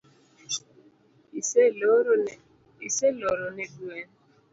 Iseloro ne gwen?